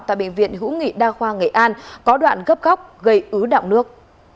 tại bệnh viện hữu nghị đa khoa nghệ an có đoạn gấp góc gây ứ động nước